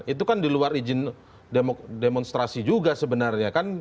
itu kan di luar izin demonstrasi juga sebenarnya kan